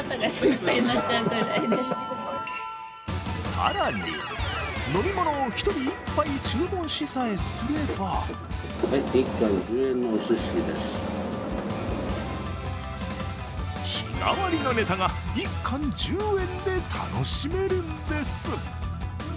更に飲み物を１人１杯注文しさえすれば日替わりのネタが１貫１０円で楽しめるんです。